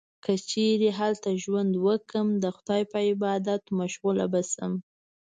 که چیرې هلته ژوند وکړم، د خدای په عبادت مشغوله به شم.